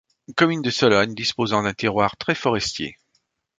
Commune de Sologne disposant d'un terroir très forestier.